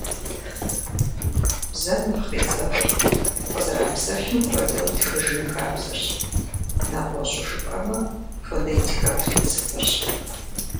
Бзэм нэхъ къезэгъыр къызэрапсэлъым хуэдэу тхыжын хабзэрщ, нэгъуэщӏу жыпӏэмэ, фонетикэ принципырщ.